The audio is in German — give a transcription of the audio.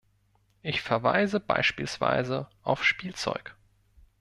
Ich verweise beispielsweise auf Spielzeug.